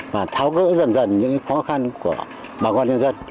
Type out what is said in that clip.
và tháo gỡ dần dần những khó khăn của bà con nhân dân